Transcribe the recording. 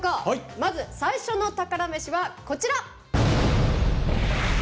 まず最初の宝メシは、こちら。